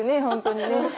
本当にね。